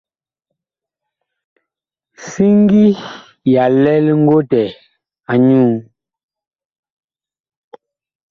Siŋgi ya lɛl ngotɛ a nyuú.